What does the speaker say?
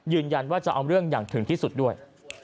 ยืนยันว่าจะเอาเรื่องอย่างถึงที่สุดด้วย